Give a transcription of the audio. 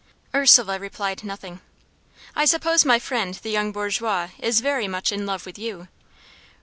Ursula replied nothing. "I suppose my friend the young bourgeois is very much in love with you?